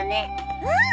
うん！